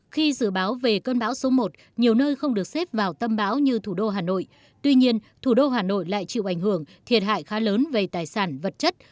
khi dự báo về cơn bão số một nhiều nơi không được xếp vào tâm bão như thủ đô hà nội tuy nhiên thủ đô hà nội lại chịu ảnh hưởng thiệt hại khá lớn về tài sản vật chất